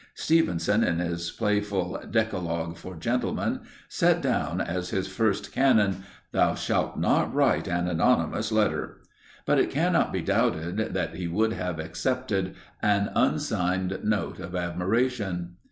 Stevenson, in his playful "Decalogue for Gentlemen," set down as his first canon, "Thou shalt not write an anonymous letter," but it cannot be doubted that he would have excepted an unsigned note of admiration.